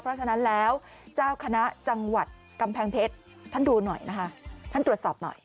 เพราะฉะนั้นแล้วเจ้าคณะจังหวัดกำแพงเพชรท่านดูหน่อยนะคะท่านตรวจสอบหน่อย